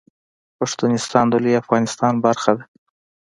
پښتونستان د لوی افغانستان برخه ده